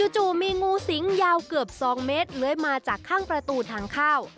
จู่มีงูสิงยาวเกือบ๒เมตรเลื้อยมาจากข้างประตูทางเข้า